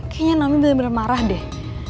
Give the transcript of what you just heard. kayaknya nomnya bener bener marah deh